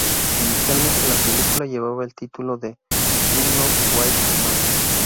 Inicialmente la película llevaba el título de "Unknown White Male".